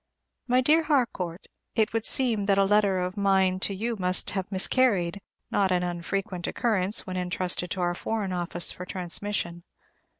My dear Harcourt, It would seem that a letter of mine to you must have miscarried, a not unfrequent occurrence when entrusted to our Foreign Office for transmission.